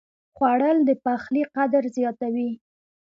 خوړل د پخلي قدر زیاتوي